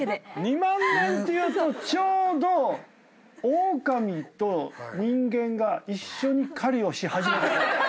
２万年っていうとちょうどオオカミと人間が一緒に狩りをし始めたころ。